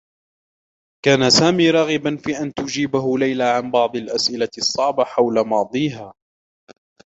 كان سامي راغبا في أن تجيبه ليلى عن بعض الأسئلة الصّعبة حول ماضيها.